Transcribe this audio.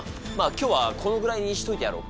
今日はこのぐらいにしといてやろう。